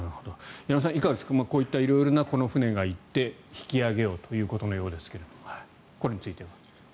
矢野さん、どうですかこういった色々な船が行って引き揚げようということのようですがこれについては。